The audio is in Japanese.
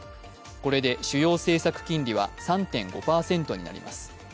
これで主要政策金利は３．５％になります。